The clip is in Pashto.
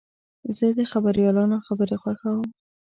زه د خبریالانو خبرې خوښوم.